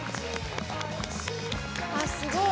あっすごい！